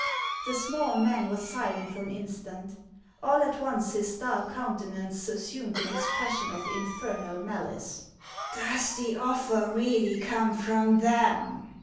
The small man was silent for an instant. All at once his dark countenance assumed an expression of infernal malice. HAXS OF ICELAND. 285 " Does the offer really come from them